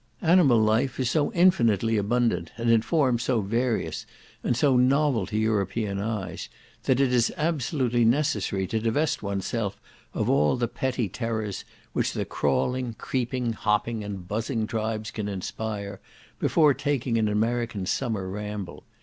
Animal life is so infinitely abundant, and in forms so various, and so novel to European eyes, that it is absolutely necessary to divest oneself of all the petty terrors which the crawling, creeping, hopping, and buzzing tribes can inspire, before taking an American summer ramble.